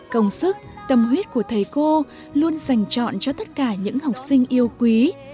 công sức tâm huyết của thầy cô luôn dành chọn cho tất cả những học sinh yêu quý